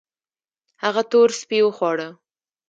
هغه تور سپي وخواړه